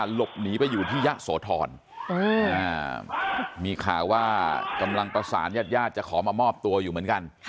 หลบหนีไปอยู่ที่ยะโสธรมีข่าวว่ากำลังประสานญาติญาติจะขอมามอบตัวอยู่เหมือนกัน